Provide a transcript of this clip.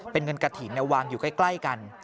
เป็นเงินกระถิ่นวางอยู่ใกล้กัน